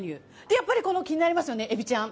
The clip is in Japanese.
やっぱりこの、気になりますよね、エビちゃん。